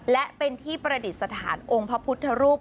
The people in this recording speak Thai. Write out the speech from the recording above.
และเป็นที่ประดิษฐานองค์พระพุทธรูป